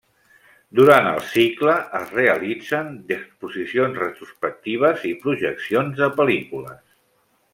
Durant el cicle es realitzen exposicions retrospectives i projeccions de pel·lícules.